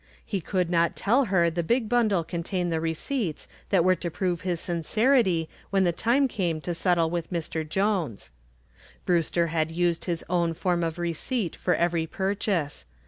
He could not tell her the big bundle contained the receipts that were to prove his sincerity when the time came to settle with Mr. Jones. Brewster had used his own form of receipt for every purchase.